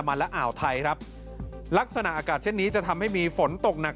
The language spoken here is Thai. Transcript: มันและอ่าวไทยครับลักษณะอากาศเช่นนี้จะทำให้มีฝนตกหนัก